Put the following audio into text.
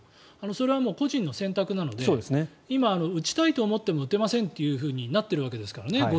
それはもう個人の選択なので今、打ちたいと思っても打てませんってなっているわけですからね。